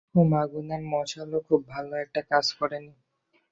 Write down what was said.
হুম, আগুনের মশালও খুব ভালো একটা কাজ করেনি।